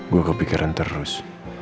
gua kepikiran terus